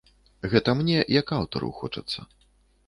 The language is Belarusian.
Гэта мне як аўтару хочацца.